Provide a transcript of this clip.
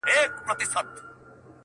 جګړو د نړۍ نقشې بدلې کړې